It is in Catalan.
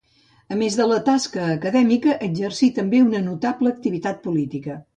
A més de la tasca acadèmica, exercí també una notable activitat política.